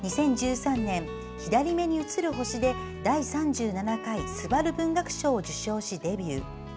２０１３年、「左目に映る星」で第３７回すばる文学賞を受賞しデビュー。